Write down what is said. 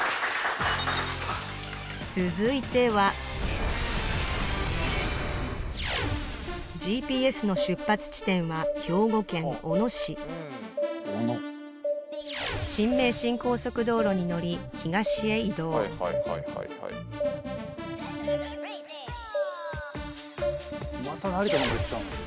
続いてはＧＰＳの出発地点は兵庫県小野市新名神高速道路に乗り東へ移動・また成田の方行っちゃうの？